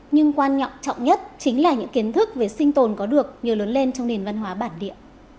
nhưng quan trọng trọng nhất chính là những kiến thức về sinh tồn có được nhờ lớn lên trong nền văn hóa bản địa